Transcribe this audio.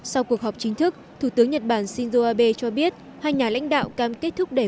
sau cuộc họp chính thức thủ tướng nhật bản shinzo abe cho biết hai nhà lãnh đạo cam kết thúc đẩy